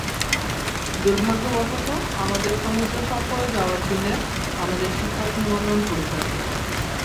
দুর্ভাগ্যবশত, আমাদের সমুদ্র সফরে যাওয়ার দিনে আমাদের শিক্ষক নিবন্ধন পরীক্ষা ছিল।